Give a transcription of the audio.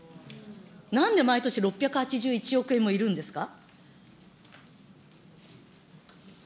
なんで毎年６８１億円もいるんですか。